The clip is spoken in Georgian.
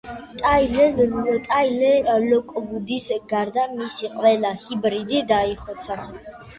ტაილერ ლოკვუდის გარდა მისი ყველა ჰიბრიდი დაიხოცა.